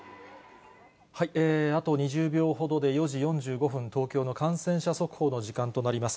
あと２０秒ほどで４時４５分、東京の感染者速報の時間となります。